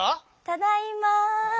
ただいま。